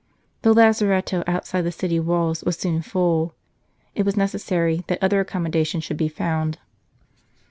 The lazaretto outside the city walls was soon full. It was necessary that other accommodation should be found.